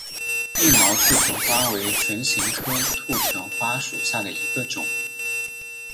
硬毛兔唇花为唇形科兔唇花属下的一个种。